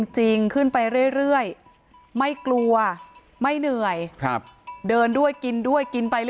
จริงขึ้นไปเรื่อยไม่กลัวไม่เหนื่อยเดินด้วยกินด้วยกินไป